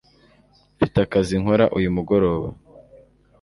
mfite akazi nkora uyu mugoroba